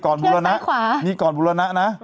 ก่อนบุรณะมีก่อนบุรณะนะ